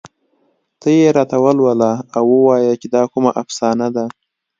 ته یې راته ولوله او ووايه چې دا کومه افسانه ده